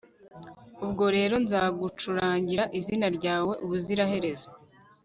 ubwo rero nzacurangira izina ryawe ubuziraherezo